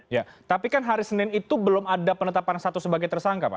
ya tapi kan hari senin itu belum ada penetapan satu sebagai tersangka pak